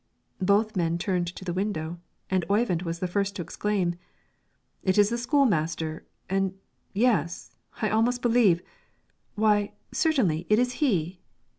Both men turned to the window, and Oyvind was the first to exclaim: "It is the school master, and yes, I almost believe why, certainly it is he!"